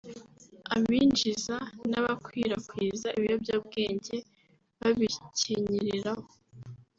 Abinjiza n’abakwirakwiza ibiyobyabwenge babikenyereraho